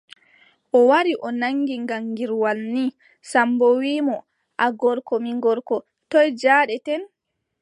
O wari o naŋgi gaŋgirwal nii, Sammbo wiʼi mo : a gorko, mi gorko, toy njaadeten ?